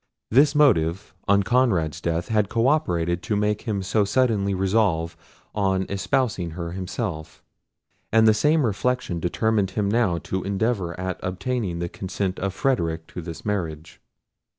This motive, on Conrad's death, had co operated to make him so suddenly resolve on espousing her himself; and the same reflection determined him now to endeavour at obtaining the consent of Frederic to this marriage.